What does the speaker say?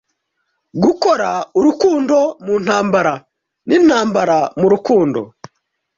gukora urukundo mu ntambara n'intambara mu rukundo.